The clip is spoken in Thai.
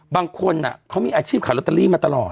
บางคนเขามีอาชีพขายลอตเตอรี่มาตลอด